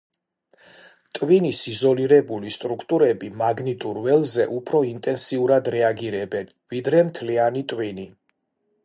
ტვინის იზოლირებული სტრუქტურები მაგნიტურ ველზე უფრო ინტენსიურად რეაგირებენ, ვიდრე მთლიანი ტვინი.